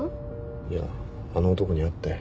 いやあの男に会って。